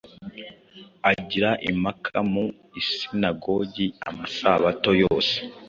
Agira impaka mu isinagogi amasabato yose